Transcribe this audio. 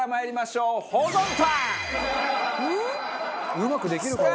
うまくできるかな。